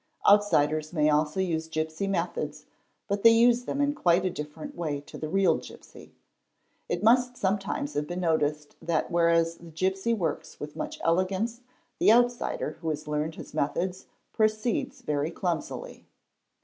Outsiders — may also use gipsy methods but they use them in quite a different way to the real gipsy. It must sometimes have been noticed that whereas — the gipsy works with much elegance, the outsider who has learned his — methods proceeds very clumsily.